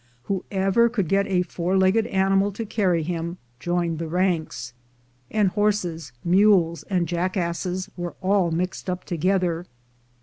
Whoever could get a four legged animal to carry him, joined the ranks; and horses, mules, and jackasses were all mixed up together.